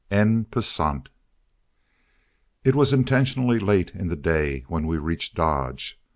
EN PASSANT It was intentionally late in the day when we reached Dodge.